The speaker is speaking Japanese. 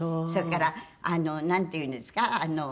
それからあのなんていうんですか？